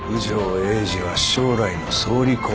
英二は将来の総理候補。